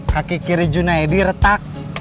kaki kiri junaedi retak